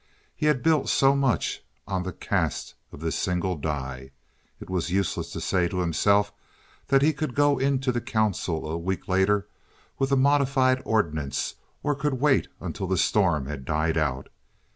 He had built so much on the cast of this single die. It was useless to say to himself that he could go into the council a week later with a modified ordinance or could wait until the storm had died out.